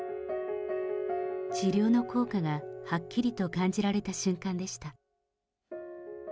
治療の効果がはっきりと感じられた瞬間でした。